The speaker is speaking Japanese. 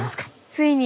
ついに。